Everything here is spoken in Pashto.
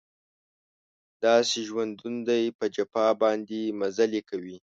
داسې ژوندون دی په جفا باندې مزلې کوي